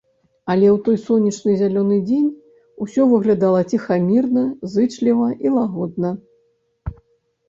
Але ў той сонечны зялёны дзень усё выглядала ціхамірна, зычліва і лагодна.